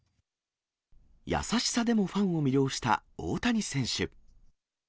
優しさでもファンを魅了した大谷選手。